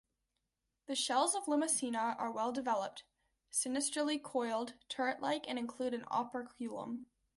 The shells of "Limacina" are well developed, sinistrally coiled, turret-like, and include an operculum.